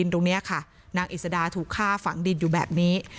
นางอิสดาถูกฆ่าฝั่งดินอยู่แบบนี้